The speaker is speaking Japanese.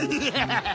ハハハ！